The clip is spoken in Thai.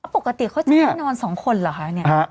ปกติเขาจะแค่นอน๒๐คนเหรอ